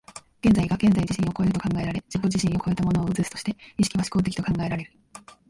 現在が現在自身を越えると考えられ、自己自身を越えたものを映すとして、意識は志向的と考えられる。